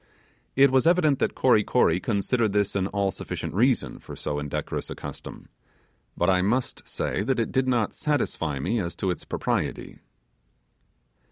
It was evident that Kory Kory considered this an all sufficient reason for so indecorous a custom; but I must say that it did not satisfy me as to its propriety.